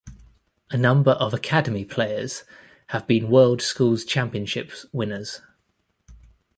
A number of Academy players have been world schools' championships winners.